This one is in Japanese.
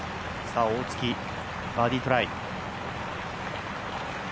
大槻、バーディートライ。